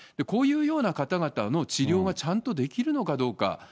こういうような方々の治療はちゃんとできるのかどうか。